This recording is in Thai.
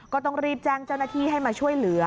ก็ต้องรีบแจ้งเจ้าหน้าที่ให้มาช่วยเหลือ